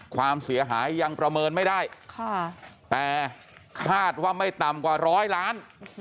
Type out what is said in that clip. ความเสียหายยังประเมินไม่ได้แต่คาดว่าไม่ต่ำกว่าร้อยล้าน